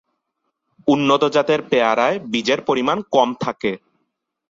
উন্নত জাতের পেয়ারায় বীজের পরিমাণ কম থাকে।